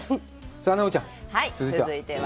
奈緒ちゃん、続いては？